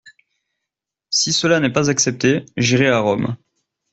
Si cela n'est pas accepté, j'irai à Rome.